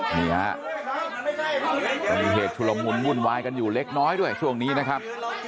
นี่ฮะมีเหตุชุลมุนวุ่นวายกันอยู่เล็กน้อยด้วยช่วงนี้นะครับ